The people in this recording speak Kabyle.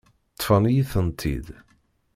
Ṭṭfen-iyi-tent-id.